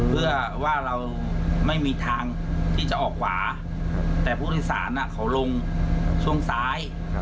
เพื่อว่าเราไม่มีทางที่จะออกขวาแต่ผู้โดยสารเขาลงช่วงซ้าย